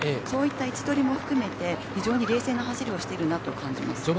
そういった位置取りも含めて非常に冷静な走りをしているなと感じます。